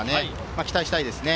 期待したいですね。